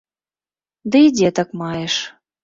Ды і дзетак маеш.